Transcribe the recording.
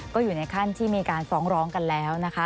ก็อยู่ในขั้นที่มีการฟ้องร้องกันแล้วนะคะ